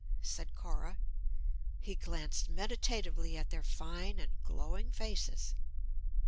said Cora. He glanced meditatively at their fine and glowing faces.